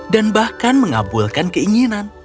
dan bahkan mengabulkan keinginan